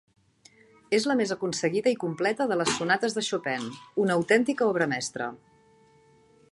És la més aconseguida i completa de les sonates de Chopin; una autèntica obra mestra.